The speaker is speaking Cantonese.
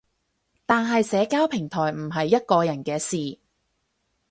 但係社交平台唔係一個人嘅事